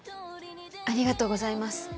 ありがとうございます。